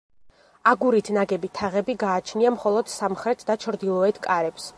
აგურით ნაგები თაღები გააჩნია მხოლოდ სამხრეთ და ჩრდილოეთ კარებს.